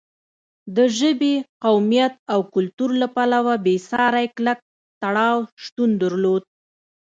د ژبې، قومیت او کلتور له پلوه بېساری کلک تړاو شتون درلود.